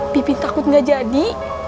pipin takut gak jadi